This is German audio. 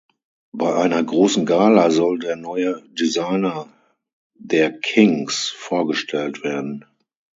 Bei einer großen Gala soll der neue Designer der Kings vorgestellt werden.